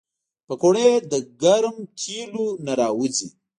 پکورې له ګرم تیلو نه راوځي